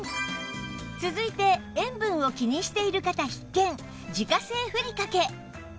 続いて塩分を気にしている方必見自家製ふりかけ